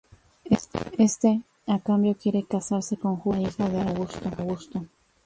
Éste, a cambio, quiere casarse con Julia, la hija de Augusto.